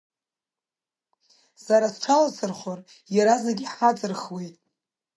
Сара сҽаласырхәыр, иаразнак иҳаҵырхуеит.